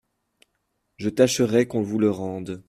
Je tâcherai qu'on vous le rende.